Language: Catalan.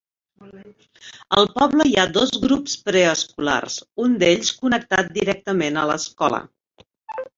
Al poble hi ha dos grups preescolars, un d'ells connectat directament a l'escola.